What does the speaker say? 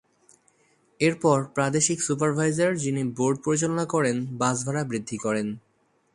এরপর, প্রাদেশিক সুপারভাইজার - যিনি বোর্ড পরিচালনা করেন - বাস ভাড়া বৃদ্ধি করেন।